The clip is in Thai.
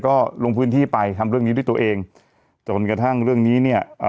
ก็ลงพื้นที่ไปทำเรื่องนี้ด้วยตัวเองจนกระทั่งเรื่องนี้เนี่ยเอ่อ